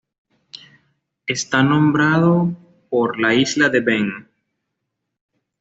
Está nombrado por la isla de Ven.